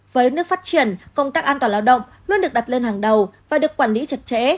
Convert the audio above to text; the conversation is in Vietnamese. với nước phát triển công tác an toàn lao động luôn được đặt lên hàng đầu và được quản lý chặt chẽ